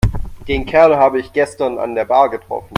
Den Kerl habe ich gestern an der Bar getroffen.